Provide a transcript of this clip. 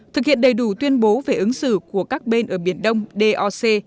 thực hiện đầy đủ tuyên bố về ứng xử của các bên ở biển đông doc